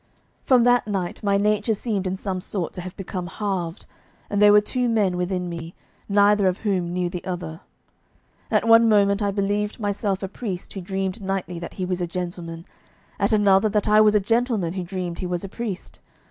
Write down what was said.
From that night my nature seemed in some sort to have become halved, and there were two men within me, neither of whom knew the other. At one moment I believed myself a priest who dreamed nightly that he was a gentleman, at another that I was a gentleman who dreamed he was a priest.